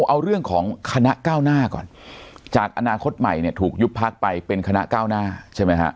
เอาเรื่องของคณะก้าวหน้าก่อนจากอนาคตใหม่เนี่ยถูกยุบพักไปเป็นคณะก้าวหน้าใช่ไหมฮะ